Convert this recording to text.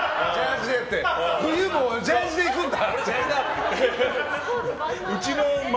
冬もジャージーで行くんだ！